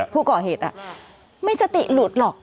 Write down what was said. ผู้ก่อเหตุไม่สติหลุดหรอก